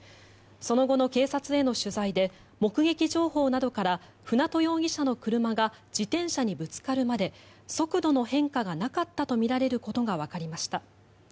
その後の警察への取材で目撃情報などから舟渡容疑者の車が自転車にぶつかるまで速度の変化がなかったとみられることがわかりました。